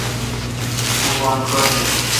اوں پان کتھ آین؟